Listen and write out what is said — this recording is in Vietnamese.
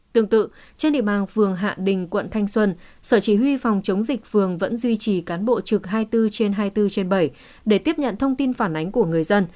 tương tự trên địa bàn phường hạ đình quận thanh xuân sở chỉ huy phòng chống dịch phường vẫn duy trì cán bộ trực hai mươi bốn trên hai mươi bốn trên bảy để tiếp nhận thông tin phản ánh của người dân